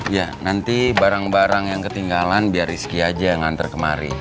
ya nanti barang barang yang ketinggalan biar rizky aja yang ngantar kemari